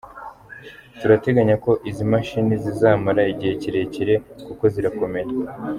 Turateganya ko izi mashini zizamara igihe kirekire kuko zirakomeye.